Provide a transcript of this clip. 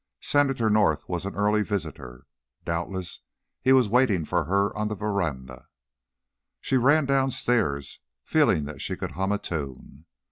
Senator North was an early visitor. Doubtless he was waiting for her on the veranda. She ran downstairs, feeling that she could hum a tune.